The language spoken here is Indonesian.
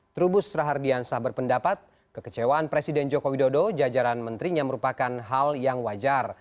trubus rahardiansah berpendapat kekecewaan presiden joko widodo jajaran menterinya merupakan hal yang wajar